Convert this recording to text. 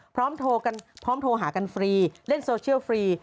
พร้อมโทรหากันฟรีเล่นโซเชียลฟรี